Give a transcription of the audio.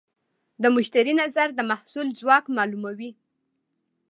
د مشتری نظر د محصول ځواک معلوموي.